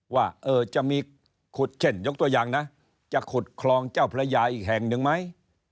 ว่าจะมีขุดเช่นยกตัวอย่างนะจะขุดคลองเจ้าพระยาอีกแห่งหนึ่งไหม